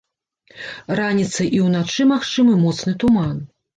Раніцай і ўначы магчымы моцны туман.